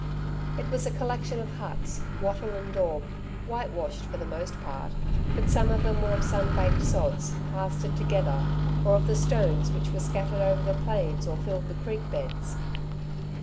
It was a collection of huts, wattle and dab, whitewashed, for the most part; but some of them were of sun baked sods, plastered together, or of the stones which were scattered over the plains or filled the creek beds.